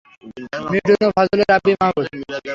মিঠুন ও ফজলে রাব্বী মাহমুদ।